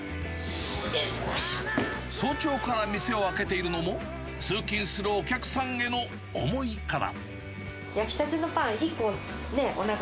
早朝から店を開けているのも、通勤するお客さんへの思いから。